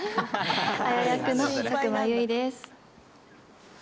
綾役の佐久間由衣です。